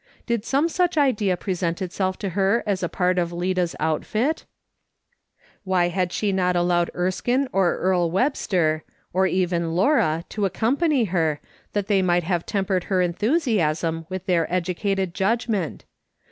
Did some such idea present itself to her as a part of Lida's outfit ? Why had she not allowed Erskine or Earle Webster, or even Laura to accompany her, that they might have tempered her enthusiasm with their educated judgment